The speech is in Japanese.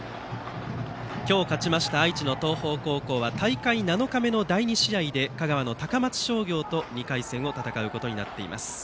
今日勝ちました愛知の東邦高校は大会７日目の第２試合で香川の高松商業と２回戦を戦うことになっています。